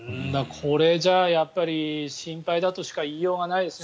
これじゃ、やっぱり心配だとしか言いようがないですね。